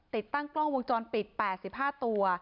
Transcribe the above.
ติดตั้งกล้องวงจรปิด๘๕ตัว